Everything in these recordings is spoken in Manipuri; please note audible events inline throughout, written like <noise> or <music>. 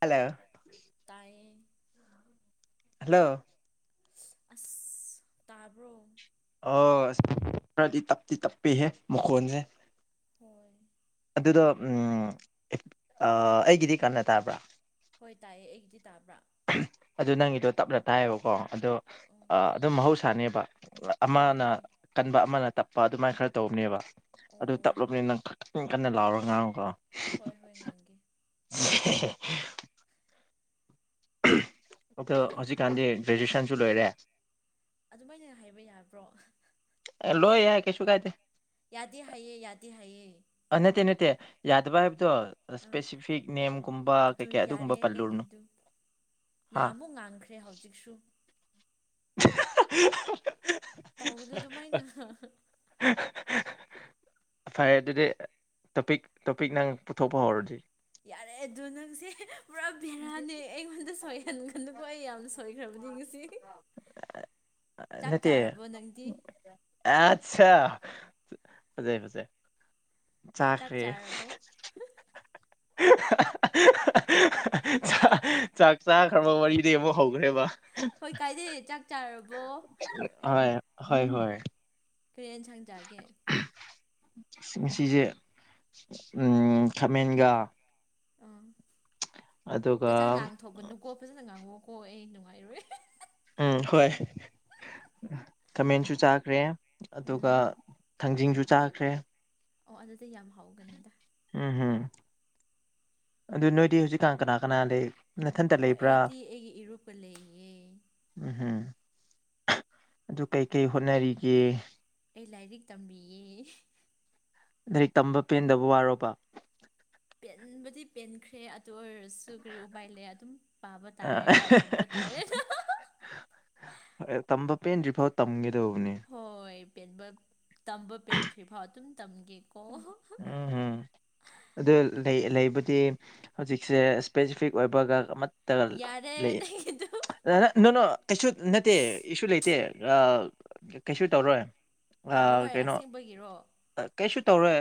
ꯍꯜꯂꯣ ꯇꯥꯏꯌꯦ ꯍꯜꯂꯣ ꯑꯁ ꯇꯥꯕ꯭ꯔꯣ ꯑꯣꯔ ꯑꯁ ꯇꯞꯇꯤ ꯇꯞꯄꯤ ꯍꯦ ꯃꯈꯣꯟꯖꯦ ꯍꯣꯏ ꯑꯗꯨꯗꯣ ꯑꯩꯒꯤꯗꯤ ꯀꯥꯟꯅ ꯇꯥꯕ꯭ꯔꯥ ꯍꯣꯏ ꯇꯥꯏꯑꯦ ꯑꯩꯒꯤꯗꯤ ꯇꯥꯕ꯭ꯔꯥ ꯑꯗꯨ ꯅꯪꯒꯤꯗꯣ ꯇꯞꯅ ꯇꯥꯏꯌꯦꯕꯀꯣ ꯑꯗꯣ ꯑꯣ ꯑꯗꯨꯝ ꯃꯍꯧꯁꯥꯅꯦꯕ ꯑꯃꯅ ꯑꯣ ꯀꯟꯕ ꯑꯃꯅ ꯇꯞ ꯂꯄꯥ ꯑꯗꯨꯃꯥꯏꯅ ꯈꯔ ꯇꯧꯕꯅꯦꯕ ꯑꯗꯨ ꯑꯣ ꯇꯞꯂꯨꯕꯅꯤꯅ ꯅꯪ ꯀꯟꯅ ꯂꯥꯎꯔꯒ ꯉꯥꯡꯉꯨꯀꯣ ꯍꯣꯏ ꯍꯣꯏ ꯉꯥꯡꯒꯦ <unintelligible> ꯑꯗꯣ ꯑꯩꯗꯤ ꯍꯧꯖꯤꯛꯀꯥꯟꯗꯤ ꯒ꯭ꯔꯦꯖꯨꯑꯦꯁꯟꯁꯨ ꯂꯣꯏꯔꯦ ꯑꯗꯨꯃꯥꯏꯅ ꯍꯥꯏꯕ ꯌꯥꯕ꯭ꯔꯣ ꯂꯣ ꯌꯥꯏ ꯀꯩꯁꯨꯨ ꯀꯥꯏꯗꯦ ꯌꯥꯗꯦ ꯍꯥꯏꯌꯦ ꯌꯥꯗ ꯍꯥꯏꯌꯦ ꯑꯥ ꯅꯠꯇꯦ ꯅꯠꯇꯦ ꯌꯥꯗꯕꯥ ꯍꯥꯏꯕ ꯑꯗꯣ ꯑꯥ ꯏꯁꯄꯦꯁꯤꯐꯤꯛ ꯅꯦꯝꯒꯨꯝꯕ ꯑꯗꯨ ꯀꯩꯀꯩ ꯌꯥꯔꯦ ꯑꯗꯨꯒꯨꯝꯕ ꯄꯜꯂꯨꯔꯅꯨ ꯅꯪꯒꯤꯗꯨ ꯍꯥ ꯅꯪ ꯑꯃꯨꯛ ꯉꯥꯡꯈ꯭ꯔꯦ ꯍꯧꯖꯤꯛꯁꯨ <inaudible> ꯇꯧꯒꯅꯨ ꯑꯗꯨꯃꯥꯏꯅ ꯐꯔꯦ ꯑꯗꯨꯗꯤ ꯇꯣꯄꯤꯛ ꯇꯣꯄꯤꯛ ꯅꯪ ꯄꯨꯊꯣꯛꯄ ꯍꯧꯔꯣ ꯑꯗꯨꯗꯤ ꯌꯥꯔꯦ ꯑꯗꯨ ꯅꯪꯁꯦ ꯄꯨꯔꯥ ꯕꯦꯔꯥꯅꯦ ꯑꯩꯉꯣꯟꯗ ꯁꯣꯏꯍꯟꯒꯗꯨꯀꯣ ꯑꯩ ꯌꯥꯝꯅ ꯁꯣꯏꯈ꯭ꯔꯕ ꯉꯁꯤ ꯆꯥꯛ ꯅꯠꯇ ꯆꯥꯔꯕꯣ ꯅꯪꯗꯤ ꯑꯥꯁ ꯐꯖꯩ ꯐꯖꯩ ꯆꯥꯛ ꯆꯥꯈ꯭ꯔꯦ ꯆꯥꯔꯕꯣ ꯆꯥꯛ ꯆꯥꯈ꯭ꯔꯕ ꯃꯔꯤꯗꯩ ꯑꯃꯨꯛ ꯍꯧꯈ꯭ꯔꯦꯕ ꯍꯣꯏ ꯀꯥꯏꯗꯦ ꯆꯥꯛ ꯆꯥꯔꯕꯣ ꯍꯣꯏ ꯍꯣꯏ ꯍꯣꯏ ꯀꯔꯤ ꯏꯟꯁꯥꯡ ꯆꯥꯒꯦ ꯉꯁꯤꯁ‌‌ꯦ ꯑꯝ ꯈꯥꯃꯦꯟꯒ ꯑꯪ ꯑꯗꯨꯒ ꯇꯆꯥꯡ ꯉꯥꯡꯊꯣꯛꯀꯅꯨꯀꯣ ꯐꯖꯟꯅ ꯉꯥꯡꯉꯣ ꯍꯣꯏ ꯑꯩ ꯅꯨꯡꯉꯥꯏꯔꯣꯏ ꯎꯝ ꯍꯣꯏ ꯀꯃꯦꯟꯁꯨ ꯆꯥꯈ꯭ꯔꯦ ꯑꯗꯨꯒ ꯎꯝ ꯊꯥꯡꯖꯤꯡꯁꯨ ꯆꯥꯈ꯭ꯔꯦ ꯑꯣ ꯑꯗꯨꯗꯤ ꯌꯥꯝ ꯍꯥꯎꯒꯅꯤꯗ ꯎꯝꯝ ꯑꯗꯨ ꯅꯣꯏꯗꯤ ꯍꯧꯖꯤꯛꯀꯥꯟ ꯀꯅꯥ ꯀꯅꯥ ꯂꯩ ꯅꯊꯟꯇ ꯑꯣ ꯂꯩꯕ꯭ꯔꯥ ꯑꯩꯗꯤ ꯑꯩꯒꯤ ꯏꯔꯨꯞꯄ ꯂꯩꯌꯦ ꯎꯝ ꯍꯝ ꯑꯗꯨ ꯀꯩꯀꯩ ꯍꯣꯠꯅꯔꯤꯒꯦ ꯑꯩ ꯂꯥꯏꯔꯤꯛ ꯇꯝꯕꯤꯌꯦ ꯂꯥꯏꯔꯤꯛ ꯇꯝꯕ ꯄꯦꯟꯗꯕ ꯋꯥꯔꯣꯕ ꯄꯦꯟꯕꯗꯤ ꯄꯦꯟꯈ꯭ꯔꯦ ꯑꯗꯨ ꯑꯣꯏꯔꯁꯨ ꯀꯔꯤ ꯎꯄꯥꯏ ꯂꯩ ꯑꯗꯨꯝ ꯄꯥꯕ ꯇꯥꯔꯦꯅ ꯇꯝꯕ ꯇꯥꯔꯦꯅ ꯑ ꯇꯝꯕꯄꯦꯟꯗ꯭ꯔꯤ ꯐꯥꯎ ꯇꯝꯒꯦ ꯗꯧꯕꯅꯦ ꯍꯣꯏ ꯄꯦꯟꯕ ꯇꯝꯕ ꯄꯦꯟꯗ꯭ꯔꯤ ꯐꯥꯎ ꯑꯗꯨꯝ ꯇꯝꯒꯦꯀꯣ ꯎꯝ ꯎꯝ ꯑꯗꯨ ꯂꯩꯕꯗꯤ ꯍꯧꯖꯤꯛꯁꯦ ꯏꯁꯄꯦꯁꯤꯐꯤꯛ ꯑꯣꯏꯕꯒ ꯑꯌꯠ ꯇꯒ ꯌꯥꯔꯦ ꯂꯩ ꯅꯪꯒꯤꯗꯨ ꯅꯪꯅ ꯀꯩꯁꯨ ꯅꯠꯇꯦ ꯏꯁꯨ ꯂꯩꯇꯦ ꯀꯩꯁꯨ ꯇꯧꯔꯣꯏ ꯇꯧꯔꯣꯏ ꯀꯩꯅꯣ ꯑꯁꯦꯡꯕꯒꯤꯔꯣ ꯀꯩꯁꯨ ꯇꯧꯔꯣꯏ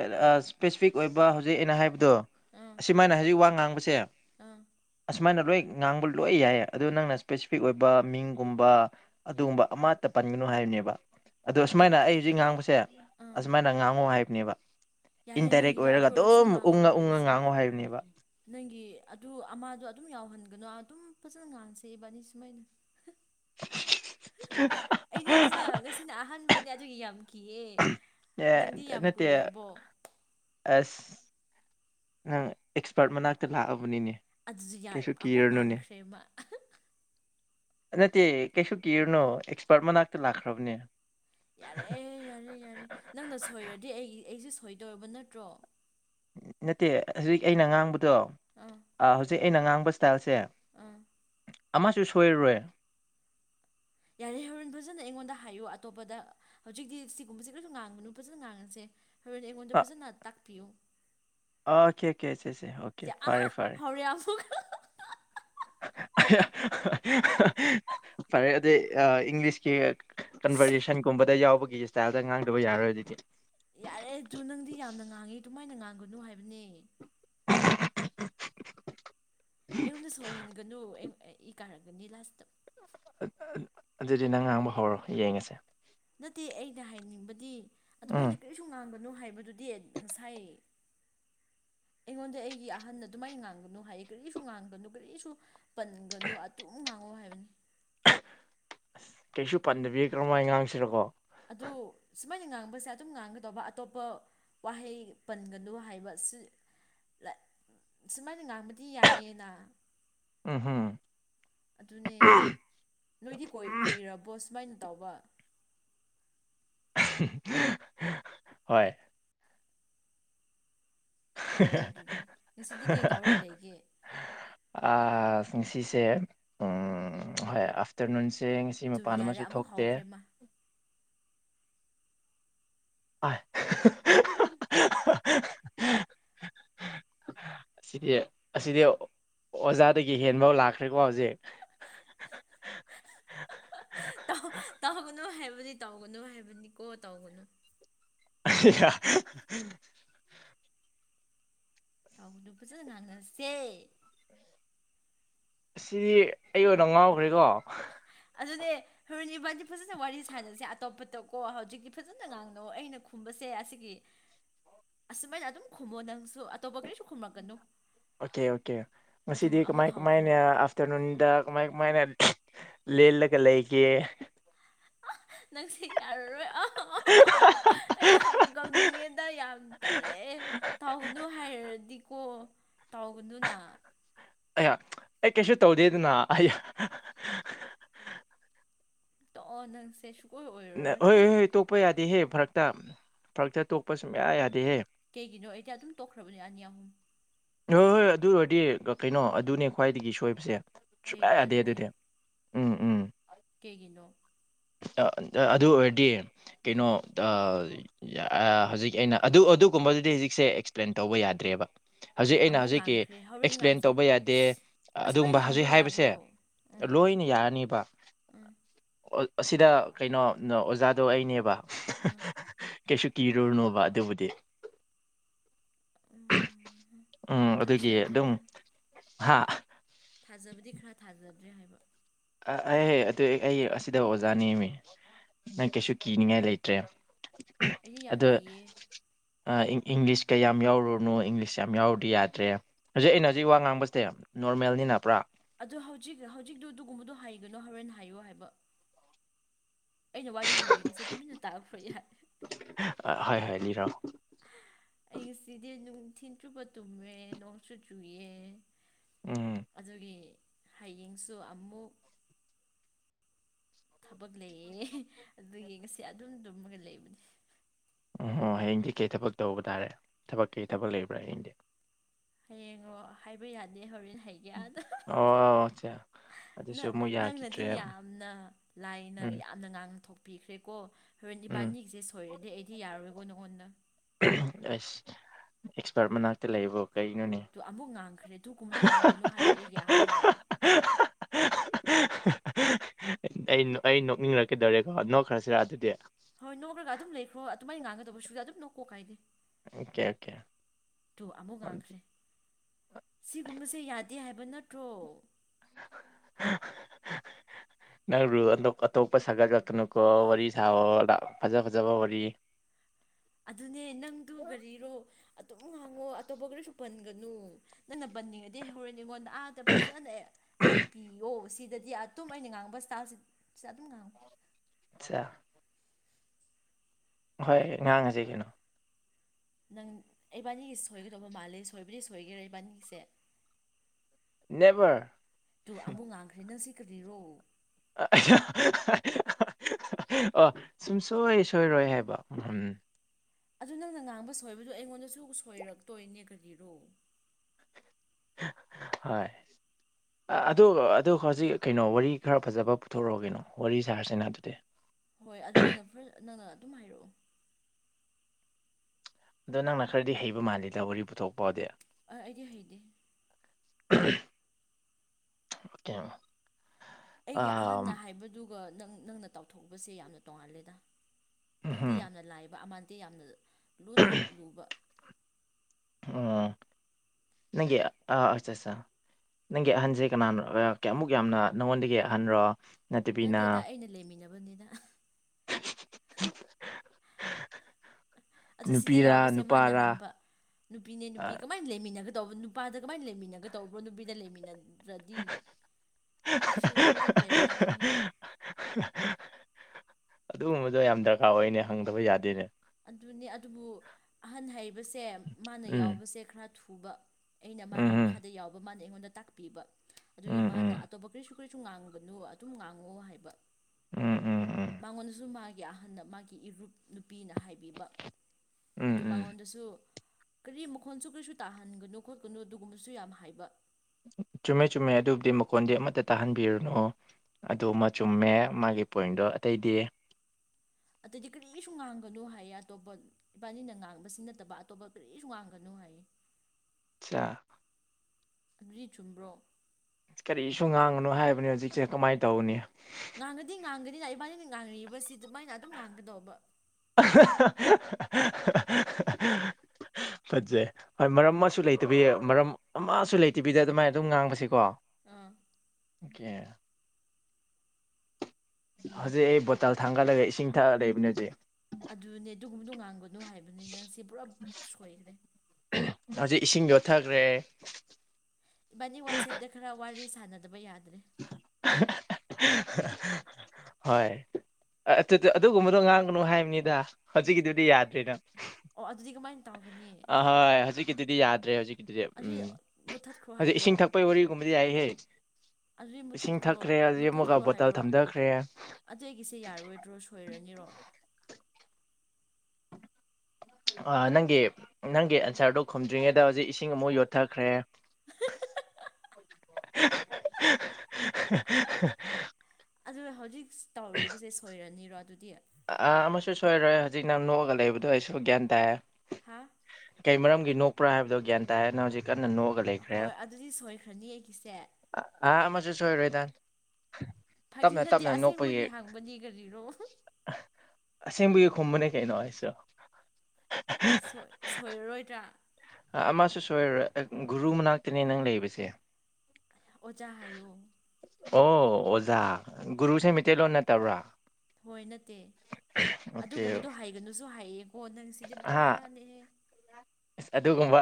ꯁ꯭ꯄꯦꯁꯤꯐꯤꯛ ꯑꯣꯏꯕ ꯍꯧꯖꯤꯛ ꯑꯩꯅ ꯍꯥꯏꯕꯗꯣ ꯑꯁꯨꯃꯥꯏꯅ ꯍꯧꯖꯤꯛ ꯋꯥ ꯉꯥꯡꯕꯁꯦ ꯑꯡ ꯁꯨꯃꯥꯏꯅ ꯂꯣꯏ ꯉꯥꯡꯕ ꯂꯣꯏ ꯌꯥꯏꯌꯦ ꯑꯗꯨ ꯅꯪꯅ ꯁ꯭ꯄꯦꯁꯤꯐꯤꯛ ꯑꯣꯏꯕ ꯃꯤꯡꯒꯨꯝꯕ ꯑꯗꯨꯒꯨꯝꯕ ꯑꯃꯠꯇ ꯄꯟꯒꯅꯨ ꯍꯥꯏꯕꯅꯦꯕ ꯑꯗꯣ ꯑꯁꯨꯃꯥꯏꯅ ꯑꯩ ꯍꯧꯖꯤꯛ ꯉꯥꯡꯕꯁꯦ ꯑꯥ ꯑꯁꯨꯃꯥꯏꯅ ꯉꯥꯡꯉꯨ ꯍꯥꯏꯕꯅꯦꯕ ꯌꯥꯔꯦ ꯏꯟꯗꯥꯏꯔꯦꯛ ꯅꯪꯒꯤꯗꯣ ꯑꯗꯨ ꯑꯣꯏꯔꯒ ꯑꯣꯏꯔꯁꯨ ꯑꯗꯨꯝ ꯎꯪꯉ ꯎꯪꯉ ꯉꯥꯡꯉꯔꯣꯏꯁꯦ ꯉꯥꯡꯉꯣ ꯍꯥꯏꯕꯅꯦꯕ ꯅꯪꯒꯤ ꯑꯗꯨ ꯑꯃꯗꯣ ꯑꯗꯨꯝ ꯌꯥꯎꯍꯟ ꯒꯅꯣ ꯑꯗꯨꯝ ꯐꯖꯅ ꯉꯥꯁꯦ ꯏꯕꯅꯤ ꯁꯨꯃꯥꯏꯅ ꯑꯩꯗꯤ ꯉꯁꯤꯅ ꯉꯁꯤꯅ ꯑꯍꯥꯟꯕꯅꯦ ꯑꯗꯨꯒꯤ ꯌꯥꯝ ꯀꯤꯌꯦ ꯅꯪꯗꯤ ꯑꯦ ꯌꯥꯝ ꯅꯠꯇꯦ ꯀꯨꯏꯔꯕꯣ ꯑꯁ ꯅꯪ ꯑꯦꯛꯁꯄꯥꯔꯠ ꯃꯅꯥꯛꯇ ꯂꯥꯛꯑꯕ ꯑꯗꯨꯁꯨ ꯌꯥꯔꯦꯕ ꯑꯃꯨꯛ ꯉꯥꯡꯈ꯭ꯔꯦꯃ ꯅꯠꯇꯦ ꯀꯩꯁꯨ ꯀꯤꯔꯨꯅꯨ ꯑꯦꯛꯁꯄꯥꯔꯠ ꯃꯅꯥꯛꯇ ꯂꯥꯛꯈ꯭ꯔꯕꯅꯦ ꯌꯥꯔꯦ ꯌꯥꯔꯦ ꯌꯥꯔꯦ ꯅꯪꯅ ꯁꯣꯏꯔꯗꯤ ꯑꯩ ꯑꯩꯁꯦ ꯁꯣꯏꯗꯧꯔꯕ ꯅꯠꯇ꯭ꯔꯣ ꯅꯠꯇꯦ ꯍꯧꯖꯤꯛ ꯑꯩꯅ ꯉꯥꯡꯕꯗꯣ ꯍꯧꯖꯤꯛ ꯑꯩꯅ ꯉꯥꯡꯕ ꯏꯁꯇꯥꯏꯜꯁꯦ ꯑꯡ ꯑꯃꯁꯨ ꯁꯣꯏꯔꯨꯔꯣꯏ ꯌꯥꯔꯦ ꯍꯣꯔꯦꯟ ꯐꯖꯅ ꯑꯩꯉꯣꯟꯗ ꯍꯥꯏꯌꯨ ꯑꯇꯣꯞꯄꯗ ꯍꯧꯖꯤꯛꯇꯤ ꯁꯤꯒꯨꯝꯕꯁꯤ ꯀꯔꯤꯁꯨ ꯉꯥꯡꯒꯅꯨ ꯐꯖꯅ ꯉꯥꯡꯉꯁꯦ ꯍꯥꯏꯕꯗꯤ ꯑꯩꯉꯣꯟꯗ ꯐꯖꯅ ꯇꯥꯛꯄꯤꯌꯨ ꯑꯣꯀꯦ ꯑꯣꯀꯦ ꯑꯣꯀꯦ ꯐꯔꯦ ꯑꯥ ꯐꯔꯦ ꯍꯧꯔꯦ ꯑꯃꯨꯛ <inaudible> ꯐꯔꯦ ꯑꯗꯨꯗꯩ ꯏꯪꯂꯤꯁꯀꯤ ꯀꯟꯚꯔꯖꯦꯁꯟꯒꯨꯝꯕꯗ ꯌꯥꯎꯕꯒꯤ ꯏꯁ꯭ꯇꯥꯏꯜꯗ ꯉꯥꯡꯗꯕ ꯌꯥꯔꯔꯣꯏ ꯑꯗꯨꯗꯤ ꯌꯥꯔꯦ ꯅꯪꯗꯤ ꯌꯥꯝꯅ ꯉꯥꯡꯉꯤ ꯑꯗꯨꯃꯥꯏꯅ ꯉꯥꯡꯒꯅꯨ ꯨ ꯑꯗꯨ ꯍꯥꯏꯕꯅꯦ ꯑꯩꯉꯣꯟꯗ ꯁꯣꯏꯍꯟꯒꯅꯨ ꯑꯩ ꯏ ꯀꯥꯔꯛꯒꯅꯤ ꯂꯥꯁꯇ ꯑꯗꯨꯗꯤ ꯅꯪ ꯉꯥꯡꯕ ꯍꯧꯔꯣ ꯌꯦꯡꯉꯁꯦ ꯅꯠꯇꯦ ꯑꯩꯅ ꯍꯥꯏꯅꯤꯡꯕꯗꯤ ꯎꯝ ꯑꯗꯨꯃꯥꯏꯅ ꯀꯔꯤꯁꯨ ꯉꯥꯡꯕꯅꯣ ꯍꯥꯏꯕꯗꯨꯗꯤ ꯉꯁꯥꯏ ꯑꯩꯉꯣꯟꯗ ꯑꯩꯒꯤ ꯑꯍꯟꯅ ꯑꯗꯨꯃꯥꯏꯅ ꯉꯥꯡꯒꯅꯨ ꯍꯥꯏꯌꯦ ꯀꯔꯤꯁꯨ ꯉꯥꯡꯒꯅꯨ ꯀꯔꯤꯁꯨ ꯄꯟꯒꯅꯨ ꯑꯗꯨ ꯑꯁ ꯀꯩꯁꯨ ꯄꯟꯗꯕꯤ ꯀ꯭ꯔꯃ ꯑꯩꯉꯥꯡꯁꯤꯔꯀꯣ ꯑꯗꯨ ꯁꯨꯃꯥꯏꯅ ꯉꯥꯡꯕꯁꯦ ꯑꯗꯨꯝ ꯉꯥꯡꯒꯗꯧꯕ ꯑꯇꯣꯞꯄ ꯋꯥꯍꯩ ꯄꯟꯒꯅꯣ ꯍꯥꯏꯕ ꯁꯨꯃꯥꯏꯅ ꯉꯥꯡꯕꯗꯤ ꯌꯥꯏꯌꯦꯅ ꯎꯝꯍꯨꯝ ꯑꯗꯨꯅꯦ ꯅꯣꯏꯗꯤ ꯀ ꯀꯨꯏꯔꯕꯣ ꯁꯨꯃꯥꯏꯅ ꯇꯧꯕ ꯍꯣꯏ ꯐꯔꯦ ꯑꯗꯨꯗꯤ ꯉꯁꯤꯗꯤ ꯀꯩ ꯇꯧꯔ ꯂꯩꯒꯦ ꯁꯤꯁꯦ ꯍꯣꯏ ꯑꯥꯐꯇꯔꯅꯨꯟ ꯁꯦ ꯉꯁꯤ ꯇꯨ ꯃꯄꯥꯟ ꯌꯥꯔꯦ ꯑꯃꯁꯨ ꯑꯃꯨꯛ ꯊꯣꯛꯇꯦ ꯍꯧꯈ꯭ꯔꯦ ꯃꯥ ꯑꯥꯏ ꯑꯁꯤꯗꯤ ꯑꯁꯤꯗꯤ ꯑꯣꯖꯥꯗꯒꯤ ꯍꯦꯟꯕꯥꯎ ꯂꯥꯛꯈ꯭ꯔꯦꯀꯣ ꯍꯧꯖꯤꯛ ꯍ ꯇꯧꯒꯅꯨ ꯍꯥꯏꯕꯅꯤ ꯇꯧꯒꯅꯨ ꯍꯥꯏꯕꯅꯤ ꯀꯣ ꯇꯧꯒꯅꯨ ꯑ ꯇꯧꯗꯨ ꯄꯨꯖ ꯉꯥꯟꯁꯦ ꯁꯤꯗꯤ ꯑꯩ ꯑꯣꯏꯅꯗ ꯉꯥꯎꯈ꯭ꯔꯦꯀꯣ ꯑꯗꯨꯅꯦ ꯔꯨꯅꯤꯕꯥꯗꯤ ꯐꯖꯅ ꯋꯥꯔꯤ ꯁꯥꯟꯅꯁꯦ ꯑꯇꯣꯞꯄꯇꯀꯣ ꯍꯧꯖꯤꯛꯇꯤ ꯐꯖꯅ ꯉꯥꯡꯅꯧꯑꯣ ꯑꯩꯅ ꯈꯨꯝꯕꯁꯤꯁ ꯁꯦ ꯑꯁꯤꯒꯤ ꯑꯁꯨꯃꯥꯏꯅ ꯑꯗꯨꯝ ꯈꯨꯝꯃꯣ ꯅꯪꯁꯨ ꯑꯇꯣꯞꯄ ꯀꯔꯤꯁꯨ ꯈꯨꯝꯂꯛꯀꯅꯨ ꯑꯣꯀꯦ ꯑꯣꯀꯦ ꯉꯁꯤꯗꯤ ꯀꯃꯥꯏ ꯍꯧꯈ꯭ꯔꯦ ꯃꯥꯏꯅ ꯑꯐꯇꯔꯅꯨꯟꯗ ꯀꯃꯥꯏ ꯃꯥꯏꯅ ꯂꯦꯜꯂꯒ ꯂꯩꯒꯦ ꯅꯪꯁꯤ ꯌꯥꯔ <inaudible> ꯑꯩ ꯌꯥꯝ ꯉꯝꯅꯤꯡꯉꯦꯗ ꯌꯥꯝ ꯇꯜꯂꯦ ꯊꯥꯎꯒꯅꯨ ꯍꯥꯏꯔꯗꯤꯀꯣ ꯇꯥꯎꯒꯗꯨꯅ ꯑꯩꯍ ꯑꯩ ꯀꯩꯁꯨ ꯇꯧꯗꯦꯗꯅ ꯑꯩ ꯑꯣ ꯅꯪꯁꯦꯁꯨ ꯅ ꯍꯣꯏ ꯍꯣꯏ ꯍꯣꯏ ꯇꯣꯛꯄ ꯌꯥꯗꯦꯍꯦ ꯐꯔꯛꯇ ꯐꯔꯛꯇ ꯇꯣꯛꯄ ꯁꯨꯡ ꯃꯌꯥ ꯌꯥꯗꯦꯍꯦ ꯀꯩꯒꯤꯅꯣ ꯑꯩꯗꯤ ꯑꯗꯨꯝ ꯇꯣꯛꯈ꯭ꯔꯕꯅꯦ ꯑꯅꯤ ꯑꯍꯨꯝ ꯍꯣꯏ ꯍꯣꯏ ꯑꯗꯨ ꯑꯣꯏꯔꯗꯤ ꯀꯩꯅꯣ ꯑꯗꯨꯅꯦ ꯈ꯭ꯋꯥꯏꯗꯒꯤ ꯁꯣꯏꯕꯁꯦ ꯆꯨꯝꯃꯥꯏ ꯀꯩꯒꯤ ꯌꯥꯗꯦ ꯑꯗꯨꯗꯤ ꯑꯗꯨꯗ ꯀꯩꯒꯤꯅꯣ ꯑꯗꯨ ꯑꯣꯏꯔꯗꯤ ꯑꯥ ꯀꯩꯅꯣ ꯍꯧꯖꯤꯛ ꯑꯩꯅ ꯑꯗꯨ ꯑꯗꯨꯒꯨꯝꯕꯗꯨꯗꯤ ꯍꯧꯖꯤꯛꯁꯦ ꯑꯦꯛꯁꯄ꯭ꯂꯦꯟ ꯇꯧꯕ ꯌꯥꯗ꯭ꯔꯦꯕ ꯑꯗꯨ ꯍꯧꯖꯤꯛ ꯑꯩꯅ ꯑꯃꯨꯛ ꯍꯧꯖꯤꯛꯀꯤ ꯉꯥꯡꯈ꯭ꯔꯦ ꯍꯣꯔꯦꯟ ꯑꯦꯛꯁꯄ꯭ꯂꯦꯟ ꯉꯥꯡꯁꯦ ꯇꯧꯕ ꯌꯥꯗꯦ ꯑꯁꯨꯃꯥꯏꯅ ꯑꯗꯨꯒꯨꯝꯕ ꯉꯥꯡꯕ ꯍꯧꯖꯤꯛ ꯍꯥꯏꯕꯁꯦ ꯌꯥꯕ꯭ꯔꯣ ꯎꯝ ꯂꯣꯏꯅ ꯌꯥꯔꯅꯤꯕ ꯎꯝ ꯑꯁꯤꯗ ꯀꯩꯅꯣ ꯑꯣꯖꯥꯗꯣ ꯑꯩꯅꯦꯕ ꯎꯝ ꯀꯩꯁꯨ ꯀꯤꯔꯨꯔꯨꯅꯣꯕ ꯑꯗꯨꯕꯨꯗꯤ ꯎꯝ ꯎꯝ ꯑꯗꯨꯒꯤ ꯑꯗꯨꯝ ꯊꯥꯖꯗ꯭ꯔꯦꯗ ꯍꯥ ꯊꯥꯖꯕꯗꯤ ꯈꯔ ꯊꯥꯖꯗ꯭ꯔꯦ ꯍꯥꯏꯕ ꯑ ꯑꯩ ꯑꯗꯨ ꯑꯩ ꯑꯁꯤꯗ ꯑꯣꯖꯥ ꯅꯦꯝꯃꯤ ꯅꯪ ꯀꯩꯁꯨ ꯀꯤꯅꯤꯡꯉꯥꯏ ꯂꯩꯇ꯭ꯔꯦ ꯂꯩ ꯌꯥꯝ ꯌꯥꯝ ꯀ ꯏꯪꯂꯤꯁ ꯀꯌꯥꯝ ꯌꯥꯎꯔꯨꯅꯨ ꯏꯪꯂꯤꯁ ꯌꯥꯝ ꯌꯥꯎꯔꯨꯗꯤ ꯌꯥꯗ꯭ꯔꯦ ꯍꯧꯖꯤꯛ ꯑꯩꯅ ꯍꯧꯖꯤꯛ ꯋꯥ ꯉꯥꯡꯕꯁꯦ ꯅꯣꯔꯃꯦꯜꯅꯤꯅ ꯄꯨ꯭ꯔꯥ ꯑꯗꯨꯗ ꯍꯧꯖꯤꯛ ꯍꯧꯖꯤꯛꯇꯣ ꯑꯗꯨꯒꯨꯝꯕꯗꯣ ꯍꯥꯏꯒꯅꯣ ꯍꯣꯔꯦꯟ ꯍꯥꯏꯌꯣ ꯍꯥꯏꯕ ꯑꯩꯅ ꯋꯥꯔꯤ ꯂꯤꯔꯤꯉꯤꯁꯦ ꯇꯨꯃꯤꯟꯅ ꯇꯥꯛꯈ꯭ꯔꯣ ꯌꯥꯏ ꯍꯥꯏ ꯍꯥꯏ ꯅꯤꯔꯝ ꯊꯤꯟ ꯆꯨꯞꯕ ꯇꯨꯝꯃꯦ ꯅꯣꯡꯁꯨ ꯆꯨꯌꯦ ꯎꯝ ꯑꯗꯨꯒꯤ ꯍꯌꯦꯡꯁꯨ ꯑꯃꯨꯛ ꯊꯕꯛ ꯂꯩꯌꯦ ꯑꯗꯨ ꯌꯦ ꯉꯁꯤ ꯑꯗꯨꯝ ꯇꯨꯝꯃꯒ ꯂꯩꯕꯅꯦ ꯎꯝ ꯑꯣ ꯍꯌꯦꯡꯗꯤ ꯀꯩ ꯊꯕꯛ ꯇꯧꯕ ꯇꯥꯔꯦ ꯊꯕꯛ ꯀꯩ ꯊꯕꯛ ꯂꯩꯕ꯭ꯔꯥ ꯍꯌꯦꯡꯗꯤ ꯍꯌꯦꯡꯉꯣ ꯍꯥꯏꯕ ꯌꯥꯗꯦ ꯍꯧꯖꯤꯛ ꯑꯣ ꯑꯗꯨꯁꯨ ꯑꯃꯨꯛ ꯅꯪꯅꯗꯤ ꯌꯥꯈꯤꯗ꯭ꯔꯦ ꯌꯥꯝꯅ ꯂꯥꯏꯅ ꯎꯝ ꯌꯥꯝꯅ ꯉꯥꯡꯅ ꯊꯣꯛꯄ ꯄꯤꯈ꯭ꯔꯦꯀꯣ ꯍꯣꯔꯦꯟ ꯎꯝ ꯅꯤꯕꯥꯅꯤꯒꯤꯁꯦ ꯁꯣꯏꯔꯗꯤ ꯑꯩꯗꯤ ꯌꯥꯔꯔꯣꯏꯀꯣ ꯅꯉꯣꯟꯗ ꯑꯁ ꯑꯦꯛꯁꯄꯥꯔꯠ ꯃꯅꯥꯛꯇ ꯂꯩꯕꯣ ꯀꯩꯅꯣꯅꯦ ꯇ ꯑꯃꯨꯛ ꯉꯥꯡꯈ꯭ꯔꯦ ꯑꯗꯨꯨ ꯀꯨꯝꯕꯗꯨ ꯉꯥꯡꯒꯅꯨ ꯍꯥꯏꯌꯦ ꯑꯩꯒꯤ ꯑꯍꯟꯅ ꯍ <inaudible> ꯑꯩ ꯑꯩ ꯅꯣꯛꯅꯤꯡꯉꯛꯀꯗꯧꯔꯦꯀꯣ ꯅꯣꯛꯈ꯭ꯔꯁꯤꯔ ꯑꯗꯨꯗꯤ ꯍꯣꯏ ꯅꯣꯛꯈ꯭ꯔꯒ ꯑꯗꯨꯝ ꯂꯩꯈ꯭ꯔꯣ ꯑꯗꯨꯃꯥꯏꯅ ꯉꯥꯡꯒꯗꯕ ꯁꯨꯗ ꯑꯗꯨꯝ ꯅꯣꯛꯑꯣ ꯀꯥꯏꯗꯦ ꯑꯣꯀꯦ ꯑꯣꯀꯦ ꯇꯨ ꯑꯃꯨꯛ ꯉꯥꯡꯈ꯭ꯔꯦ ꯁꯤꯒꯨꯝꯕꯁꯦ ꯌꯥꯗꯦ ꯗꯦ ꯍꯥꯏꯕ ꯅꯠꯇ꯭ꯔꯣ <inaudible> ꯅꯪꯕꯨ ꯑꯇꯣꯞꯄ ꯁꯥꯒꯠ ꯈꯛꯇ ꯅꯪꯀꯣ ꯋꯥꯔꯤ ꯁꯥꯋꯣ ꯐꯖ ꯐꯖꯕ ꯋꯥꯔꯤ ꯑꯗꯨꯅꯦ ꯅꯪꯗꯨ ꯀꯔꯤꯔꯣ ꯑꯗꯨꯝ ꯉꯥꯡꯉꯣ ꯑꯇꯣꯞꯄ ꯀꯔꯤꯁꯨ ꯄꯟꯒꯅꯨ ꯅꯪꯅ ꯄꯟꯅꯤꯡꯉꯩꯗꯤ ꯍꯧꯔꯦꯟ ꯑꯩꯉꯣꯟꯗ ꯑꯥꯗ ꯐꯖꯅ ꯇꯥꯛꯄꯤꯌꯣ ꯁꯤꯅꯤ ꯁꯤꯗꯗꯤ ꯑꯗꯨꯝ ꯑꯩꯅ ꯉꯥꯡꯕ ꯏꯁꯇꯥꯜꯁꯤ ꯁꯤ ꯑꯗꯨꯝ ꯉꯥꯡꯉꯤ ꯑꯆꯥ ꯍꯣꯏ ꯉꯥꯡꯉꯁꯤ ꯀꯩꯅꯣ ꯅꯪ ꯏꯕꯥꯅꯤꯒꯤ ꯁꯣꯏꯒꯗꯧꯕ ꯃꯥꯜꯂꯦ ꯁꯣꯏꯕꯗꯤ ꯁꯣꯏꯒꯦꯔ ꯏꯕꯥꯅꯤꯒꯤꯁꯦ ꯅꯦꯕꯔ ꯇꯨ ꯑꯃꯨꯛ ꯉꯥꯡꯈ꯭ꯔꯦ ꯅꯪ ꯁꯤ ꯀꯔꯤꯔꯣ <inaudible> ꯑꯣ ꯁꯨꯝꯁꯣꯏ ꯁꯣꯏꯔꯣꯏ ꯍꯥꯏꯕ ꯎꯝ ꯑꯗꯨ ꯅꯪꯅ ꯉꯥꯡꯕ ꯁꯣꯏꯕꯗꯨ ꯑꯩꯉꯣꯟꯗꯁꯨ ꯁꯣꯏꯔꯛꯇꯣꯏꯅꯦ ꯀꯔꯤꯔꯣ ꯍꯣꯢ ꯑꯗꯨ ꯑꯗꯨ ꯍꯧꯖꯤꯛ ꯀꯩꯅꯣ ꯋꯥꯔꯤ ꯈꯔ ꯐꯖꯕ ꯄꯨꯊꯣꯔꯛꯑꯣ ꯀꯩꯅꯣ ꯋꯥꯔꯤ ꯁꯥꯔꯁꯤꯅꯦ ꯑꯗꯨꯗꯤ ꯍꯣꯏ ꯑꯗꯨ ꯅꯪꯅ ꯐꯔ ꯅꯪꯅ ꯑꯗꯨꯝ ꯍꯥꯏꯔꯛꯑꯣ ꯑꯗꯣ ꯅꯪꯅ ꯈꯔꯗꯤ ꯍꯩꯕ ꯃꯥꯜꯂꯤꯗ ꯋꯥꯔꯤ ꯄꯨꯊꯣꯛꯄꯥꯗꯤ ꯑꯩꯗꯤ ꯍꯥꯏꯗꯦ ꯀꯦ <inaudible> ꯑꯩꯒꯤ ꯑꯍꯟꯅ ꯍꯥꯏꯕꯗꯨꯒ ꯅꯪꯅ ꯇꯥꯎꯊꯣꯛꯄꯁꯦ ꯌꯥꯝꯅ ꯇꯣꯡꯉꯥꯜꯂꯦꯗ ꯅꯪꯗꯤ ꯌꯥꯝꯅ ꯂꯥꯏꯕ ꯑꯃꯥꯟꯗꯤ ꯌꯥꯝꯅ ꯂꯨꯅ ꯂꯨꯕ ꯑꯣ ꯅꯪꯒꯤ ꯑ ꯑꯆꯥ ꯆꯥ ꯅꯪꯒꯤ ꯑꯍꯟꯁꯦ ꯀꯅꯥꯅꯣ ꯀꯌꯥꯃꯨꯛ ꯌꯥꯝꯅ ꯅꯪꯉꯣꯟꯗꯒꯤ ꯑꯍꯟꯔꯣ ꯅꯠꯇꯕꯤꯅ ꯅꯇꯦꯗ ꯑꯩꯒ ꯂꯩꯃꯤꯟꯅꯕ ꯃꯤꯅ <inaudible> ꯑꯗꯨ ꯁꯤꯗ ꯅꯨꯄꯤꯔꯥ ꯌꯥꯎꯕꯁꯦ ꯅꯨꯄꯥꯔꯥ ꯃꯥꯅꯍꯟꯕ ꯅꯨꯄꯤꯅꯦ ꯅꯨꯄꯤ ꯑ ꯀꯃꯥꯏꯅ ꯂꯩꯃꯤꯟꯅꯒꯗ ꯭ꯥꯥꯅꯨꯄꯥꯗ ꯀꯃꯥꯏꯅ ꯂꯩꯃꯤꯟꯅꯒ ꯇꯧꯕ꯭ꯔꯣ ꯅꯨꯄꯤꯗ ꯂꯩꯃꯤꯟꯅ ꯅꯨꯄꯤ ꯅꯪꯁꯨ ꯄꯨꯔꯥ ꯕꯦꯔꯅꯤ ꯑꯗꯨꯒꯨꯝꯕꯗꯣ ꯌꯥꯝ ꯗꯔꯀꯥꯔ ꯑꯣꯏꯅꯦ ꯍꯪꯗꯕ ꯌꯥꯗꯦꯅꯦ ꯑꯗꯨꯅꯦ ꯑꯗꯨꯕꯨ ꯑꯍꯟ ꯍꯩꯕꯁꯦ ꯃꯥꯅ ꯎꯝ ꯌꯥꯎꯕꯁꯦ ꯈꯔ ꯊꯨꯕ ꯑꯩꯅ ꯃꯥꯒꯤ ꯎꯝ ꯃꯈꯥꯗ ꯌꯥꯎꯕ ꯃꯥꯅ ꯑꯩꯉꯣꯟꯗ ꯇꯥꯛꯄꯤꯕ ꯑꯗꯨꯒꯤ ꯎꯝ ꯃꯥꯅ ꯎꯝ ꯑꯇꯣꯞꯄ ꯀꯔꯤꯁꯨ ꯀꯔꯤꯁꯨ ꯉꯥꯡꯒꯅꯣ ꯑꯗꯨꯝ ꯉꯥꯡꯑꯣ ꯍꯥꯏꯕ ꯎꯝ ꯎꯝ ꯎꯝ ꯃꯥꯒꯤ ꯑꯍꯟ ꯃꯥꯒꯤ ꯏꯔꯨꯞ ꯅꯨꯄꯤꯅ ꯍꯥꯏꯕꯤꯕ ꯎꯝ ꯑꯗꯨ ꯎꯝ ꯃꯉꯣꯟꯗꯁꯨ ꯀꯔꯤ ꯃꯈꯣꯟꯁꯨ ꯀꯔꯤꯁꯨ ꯇꯥꯍꯟꯒꯅꯣ ꯈꯣꯠꯀꯅꯣ ꯑꯗꯨꯒꯨꯝꯕꯁꯨ ꯌꯥꯝꯅ ꯍꯥꯏꯕ ꯆꯨꯝꯃꯦ ꯆꯨꯝꯃꯦ ꯑꯗꯨꯕꯨꯗꯤ ꯃꯈꯣꯟꯗꯤ ꯑꯃꯠꯇ ꯇꯥꯍꯟꯕꯤꯔꯨꯅꯣ ꯑꯗꯨꯃ ꯆꯨꯝꯃꯦ ꯃꯥꯒꯤ ꯄꯣꯏꯟꯗꯣ ꯑꯇꯩꯗꯤ ꯑꯇꯩꯗꯤ ꯀꯔꯤꯁꯨ ꯉꯥꯡꯒꯅꯨ ꯍꯥꯏꯌꯦ ꯑꯇꯣꯞꯄ ꯏꯕꯥꯅꯤꯅ ꯉꯥꯡꯕꯁꯤ ꯅꯠꯇꯕ ꯑꯇꯣꯞꯄ ꯀꯔꯤꯁꯨ ꯉꯥꯡꯒꯅꯨ ꯍꯥꯏꯌꯦ ꯆꯥ ꯑ ꯆꯨꯝꯕ꯭ꯔꯣ ꯀꯔꯤꯁꯨ ꯉꯥꯡꯉꯨꯅꯣ ꯍꯥꯏꯕꯅꯤ ꯍꯧꯖꯤꯛꯁꯦ ꯀꯃꯥꯏꯅ ꯇꯧꯕꯅꯤ ꯉꯥꯡꯉꯗꯤ ꯉꯥꯡꯒꯅꯤꯅ ꯏꯕꯥꯅꯤꯅ ꯉꯥꯡꯅꯏꯕꯁꯤ ꯑꯗꯨꯃꯥꯏꯅ ꯑꯗꯨꯝ ꯉꯥꯡꯒꯗꯧꯕ ꯑ ꯆꯠꯁꯩ ꯍꯣꯏ ꯃꯔꯝ ꯑꯃꯁꯨ ꯂꯩꯇꯕꯤ ꯃꯔꯝ ꯑꯃꯁꯨ ꯂꯩꯇꯕꯤꯗ ꯑꯗꯨꯃꯥꯏꯅ ꯑꯗꯨꯝ ꯉꯥꯡꯕꯁꯤꯀꯣ ꯑꯝ ꯀꯦ ꯍꯧꯖꯤꯛ ꯑꯩ ꯕꯣꯇꯜ ꯊꯥꯡꯒꯠꯂꯒꯦ ꯏꯁꯤꯡ ꯊꯛꯑ ꯂꯩꯕꯅꯦ ꯍꯧꯖꯤꯛ ꯑꯗꯨꯅꯦ ꯑꯗꯨꯒꯨꯝꯕꯗꯨꯣ ꯉꯥꯡꯕꯅꯣ ꯍꯥꯏꯕꯅꯤ ꯅꯪꯁ ꯄꯨꯂꯞ ꯁꯣꯏꯈ꯭ꯔꯦ ꯍꯧꯖꯤꯛ ꯏꯁꯤꯡ ꯌꯣꯠꯊꯈ꯭ꯔꯦ ꯏꯕꯥꯅꯤ ꯋꯥꯆꯦꯞꯇ ꯈꯔ ꯋꯥꯔꯤ ꯁꯥꯟꯅꯗꯕ ꯌꯥꯗꯦ ꯍꯣꯏ ꯑꯗꯨꯒꯨꯝꯕꯗꯣ ꯉꯥꯡꯕꯅꯨ ꯍꯥꯏꯕꯅꯤꯗ ꯍꯧꯖꯤꯛꯀꯤꯗꯨꯗꯤ ꯌꯥꯗ꯭ꯔꯦ ꯅꯪ ꯑꯣ ꯑꯗꯨꯗꯤ ꯀꯃꯥꯏꯅ ꯇꯧꯒꯅꯤ ꯑꯍꯣꯏ ꯍꯧꯖꯤꯛꯀꯤꯗꯤꯗꯤ ꯌꯥꯗ꯭ꯔꯦ ꯍꯧꯖꯤꯛ ꯗꯤ ꯑꯗꯨꯗꯤ ꯎꯝ ꯃꯨꯠꯊꯠꯈ꯭ꯔꯣ ꯑꯗꯨꯗ ꯍꯥꯏꯕ꯭ꯔꯣ ꯏꯁꯤꯡ ꯊꯛꯄꯩ ꯋꯥꯔꯤꯒꯨꯝꯕꯗꯤ ꯌꯥꯏꯍꯦ ꯑꯗꯨꯏ ꯏꯁꯤꯡ ꯃꯨꯠꯊꯠꯈ꯭ꯔꯣ ꯊꯛꯈ꯭ꯔꯦ ꯍꯧꯖꯤꯛ ꯑꯃꯨꯛꯀ ꯃꯨꯠꯊꯠꯈ꯭ꯔꯣ ꯕꯣꯇꯜ ꯍꯥꯏꯕ꯭ꯔꯣ ꯊꯝꯊꯈ꯭ꯔꯦ ꯑꯗꯨ ꯑꯩꯒꯤꯁꯦ ꯌꯥꯔꯣꯏꯗ꯭ꯔꯣ ꯁꯣꯏꯔ ꯔꯅꯤꯔꯣ ꯅꯪꯒꯤ ꯅꯪꯒꯤ ꯑꯟꯁꯔꯗꯣ ꯈꯨꯝꯗ꯭ꯔꯤꯉꯩꯗ ꯍꯧꯖꯤꯛ ꯏꯁꯤꯡ ꯑꯃꯨꯛ ꯌꯣꯠꯊꯈ꯭ꯔꯦ <inaudible> <unintelligible> ꯑꯗꯨ ꯍꯧꯖꯤꯛ ꯇꯧꯔꯤꯕꯁꯦ ꯁꯣꯏꯔꯅꯤꯔꯣ ꯑꯗꯨꯗꯤ ꯑꯥ ꯑꯃꯁꯨ ꯁꯣꯏꯔꯣꯏ ꯍꯧꯖꯤꯛ ꯅꯪ ꯅꯣꯛꯑꯒ ꯂꯩꯕꯗꯣ ꯑꯩꯁꯨ ꯒ꯭ꯌꯥꯟ ꯇꯥꯏꯌꯦ ꯍꯥ ꯀꯩ ꯃꯔꯝꯒꯤ ꯅꯣꯛꯄ꯭ꯔꯥ ꯍꯥꯏꯕꯗꯣ ꯒ꯭ꯌꯥꯟ ꯇꯥꯏꯌꯦꯅ ꯍꯧꯖꯤꯛ ꯀꯟꯅ ꯅꯣꯛꯑꯒ ꯂꯩꯈ꯭ꯔꯦ ꯍꯣꯏ ꯑꯗꯨꯗꯤ ꯁꯣꯏꯈ꯭ꯔꯅꯤ ꯑꯩꯒꯤꯁꯦ ꯑꯥ ꯑꯃꯁꯨ ꯁꯣꯏꯔꯣꯏꯗ ꯐꯥꯒꯤ ꯇꯞꯅ ꯅꯠꯇꯦ ꯇꯞꯅ ꯅꯣꯛꯄꯒꯤ ꯑꯁꯦꯡꯕꯒꯤ ꯍꯪꯕꯅꯦ ꯀꯔꯤꯔꯣ ꯑꯁꯦꯡꯕꯒꯤ ꯈꯨꯝꯕꯅꯦ ꯀꯩꯅꯣ ꯑꯩꯁꯨ ꯁꯣꯏ ꯁꯣꯏꯔꯔꯣꯏꯗ꯭ꯔꯥ ꯑꯃꯁꯨ ꯁꯣꯏꯔꯔꯣꯏ ꯒꯨꯔꯨ ꯃꯅꯥꯛꯇꯅꯦ ꯅꯪ ꯂꯩꯕꯁꯦ ꯑꯣꯖꯥ ꯍꯥꯏꯌꯣ ꯑꯣ ꯑꯣꯖꯥ ꯒꯨꯔꯨꯁꯦ ꯃꯩꯇꯩꯩꯂꯣꯟ ꯅꯠꯇꯕ꯭ꯔꯥ ꯍꯣꯏ ꯅꯠꯇꯦ ꯑꯣꯀꯦ ꯑꯗꯨꯒꯨꯝꯕꯗꯣ ꯍꯥꯏꯒꯅꯨꯁꯨ ꯍꯥꯏꯌꯦ ꯑꯣ ꯅꯪ ꯁꯤꯗꯤ ꯑꯍꯥ ꯄꯨꯕ꯭ꯔꯥꯅꯦ ꯑꯁ ꯑꯗꯨꯒꯨꯝꯕ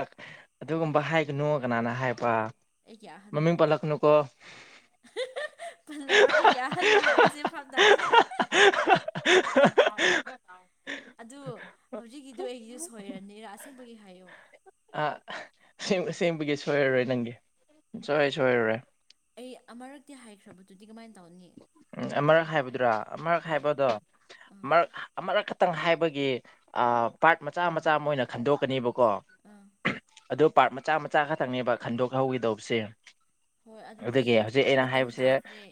ꯑꯗꯨꯒꯨꯝꯕ ꯍꯥꯏꯒꯅꯨ ꯀꯅꯥꯅ ꯍꯥꯏꯕ ꯑꯩꯒꯤ ꯑꯍꯟꯅ ꯃꯃꯤꯡ ꯄꯠꯂꯛꯀꯅꯨꯀꯣ ꯄꯜꯂꯔꯣꯏ ꯑꯩꯒꯤꯌꯥ ꯍꯟꯅ ꯍꯥꯏꯕꯁꯦ ꯐꯥꯝ ꯇꯥꯗꯦꯍꯦ <inaudible> ꯑꯗꯨ ꯍꯧꯖꯤꯛꯀꯤꯗꯨ ꯑꯩꯒꯤ ꯁꯣꯏꯔꯅꯤꯔꯥ ꯑꯁꯦꯡꯕꯒꯤ ꯍꯥꯏ ꯑ ꯁꯦꯝꯕꯒꯤ ꯁꯣꯏꯔꯔꯣꯏ ꯅꯪꯒꯤ ꯁꯨꯡ ꯁꯣꯏ ꯁꯣꯏꯔꯔꯣꯏ ꯑꯩ ꯑꯃꯔꯛꯇꯤ ꯍꯥꯏꯈ꯭ꯔꯕꯗꯨꯗꯤ ꯀꯃꯥꯏ ꯎꯝ ꯑꯃ ꯍꯥꯏꯕꯗꯨ꯭ꯔꯥ ꯑꯃꯛ ꯍꯣꯏ ꯍꯥꯏꯕꯗꯣ ꯑꯥ ꯃꯔꯛ ꯈꯤꯇꯪ ꯍꯥꯏꯕꯒꯤ ꯄꯥꯔꯠ ꯃꯆꯥ ꯃꯆꯥ ꯑꯃ ꯑꯣꯏꯅ ꯈꯟꯗꯣꯛꯄꯅꯦꯕꯀꯣ ꯑꯥ ꯑꯗꯨ ꯄꯥꯔꯠ ꯃꯆꯥ ꯃꯆꯥ ꯈꯇꯪꯅꯦꯕ ꯈꯟꯗꯣꯛꯍꯧꯒꯦꯗꯧꯕꯁꯦ ꯍꯣꯏ ꯑꯗꯨꯗꯤ ꯃꯇꯝ ꯇꯥꯈ꯭ꯔꯦ